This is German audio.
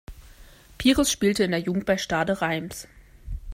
Pires spielte in der Jugend bei Stade Reims.